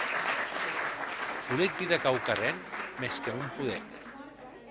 Volec díder quauquarren, mès que non podec.